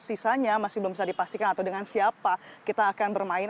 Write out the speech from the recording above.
sisanya masih belum bisa dipastikan atau dengan siapa kita akan bermain